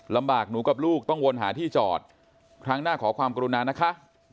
หนูกับลูกต้องวนหาที่จอดครั้งหน้าขอความกรุณานะคะ